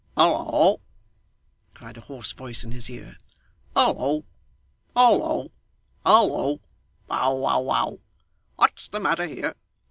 'Halloa!' cried a hoarse voice in his ear. 'Halloa, halloa, halloa! Bow wow wow. What's the matter here!